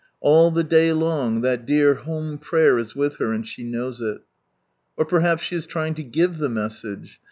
All the day long that dear home prayer is with her, and she knows it. Or perhaps she is trying to give the message.